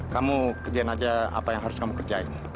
kamu kerjain aja apa yang harus kamu kerjain